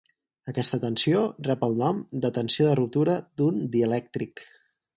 Aquesta tensió rep el nom de tensió de ruptura d'un dielèctric.